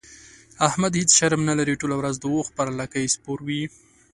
احمد هيڅ شرم نه لري؛ ټوله ورځ د اوښ پر لکۍ سپور وي.